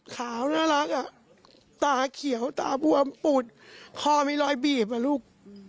ขาวน่ารักอ่ะตาเขียวตาบวมปูดคอมีรอยบีบอ่ะลูก